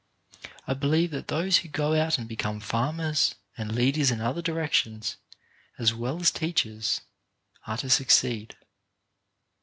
I be lieve that those who go out and become farmers, and leaders in other directions, as well as teachers, are to succeed.